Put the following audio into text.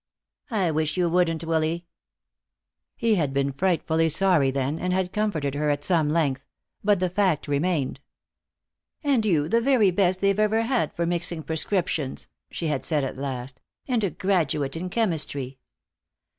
"I wish you wouldn't, Willy." He had been frightfully sorry then and had comforted her at some length, but the fact remained. "And you the very best they've ever had for mixing prescriptions!" she had said at last. "And a graduate in chemistry!"